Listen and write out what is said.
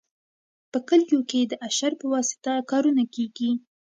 په کلیو کې د اشر په واسطه کارونه کیږي.